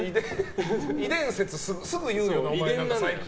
遺伝説、すぐ言うよなお前、最近。